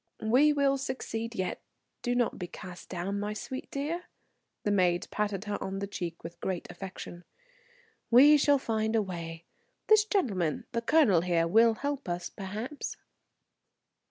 "We will succeed yet. Do not be cast down, my sweet dear." The maid patted her on the cheek with great affection. "We shall find a way. This gentleman, the colonel here, will help us, perhaps."